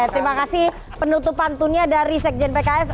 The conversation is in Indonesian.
terima kasih penutupantunya dari sekjen pks